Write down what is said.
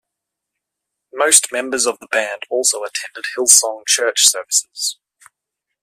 Most members of the band also attended Hillsong Church services.